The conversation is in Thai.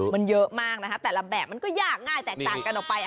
มันเยอะมากนะคะแต่ละแบบมันก็ยากง่ายแตกต่างกันออกไป